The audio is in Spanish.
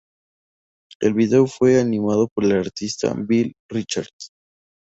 El video fue animado por el artista Bill Richards.